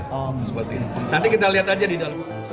seperti ini nanti kita lihat aja di dalam